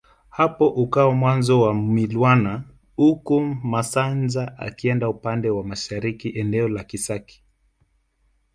Hapo ukawa mwanzo wa Mwilwana huku Masanja akienda upande wa mashariki eneo la Kisaki